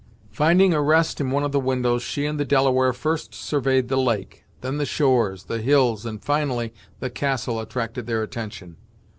Finding a rest in one of the windows, she and the Delaware first surveyed the lake; then the shores, the hills, and, finally, the castle attracted their attention.